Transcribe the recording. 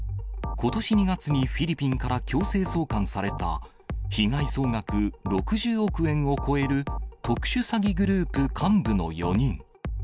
ことし２月にフィリピンから強制送還された、被害総額６０億円を超える特殊詐欺グループ幹部の４人。